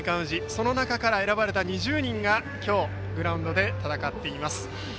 その中から選ばれた２０人が今日、グラウンドで戦っています。